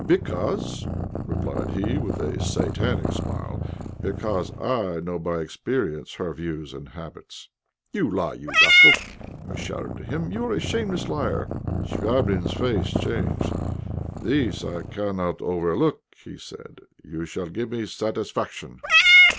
"Because," replied he, with a satanic smile, "because I know by experience her views and habits." "You lie, you rascal!" I shouted at him, in fury. "You are a shameless liar." Chvabrine's face changed. "This I cannot overlook," he said; "you shall give me satisfaction."